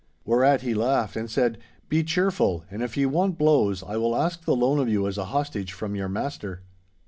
Whereat he laughed, and said, 'Be cheerful, and if ye want blows, I will ask the loan of you as a hostage from your master.